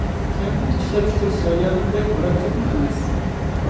كەمپۈت ئىشلەپچىقىرىش جەريانى بەك مۇرەككەپمۇ ئەمەس.